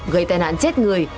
gây tai nạn chết người